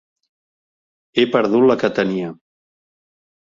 He perdut la que tenia.